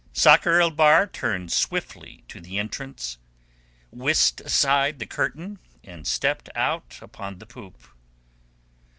Sakr el Bahr turned swiftly to the entrance, whisked aside the curtain, and stepped out upon the poop.